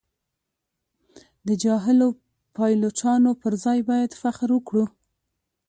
د جاهلو پایلوچانو پر ځای باید فخر وکړو.